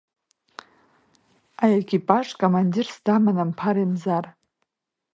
Аекипаж командирс даман Амԥар Емзар.